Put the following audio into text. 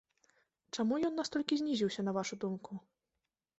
Чаму ён настолькі знізіўся, на вашу думку?